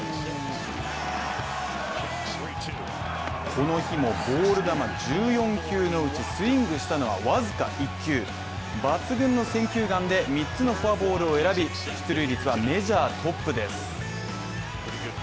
この日もボール球１４球のうちスイングしたのはわずか１球、抜群の選球眼で三つのフォアボールを選び、出塁率はメジャートップです。